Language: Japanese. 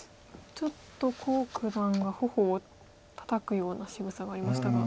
ちょっと黄九段がほほをたたくようなしぐさがありましたが。